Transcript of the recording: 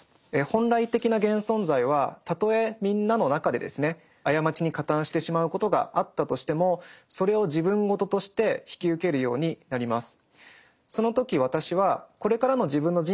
本来的な現存在はたとえみんなの中でですね過ちに加担してしまうことがあったとしてもそれを自分事として引き受けるようになります。